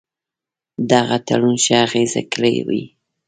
دغه تړون ښه اغېزه کړې وي.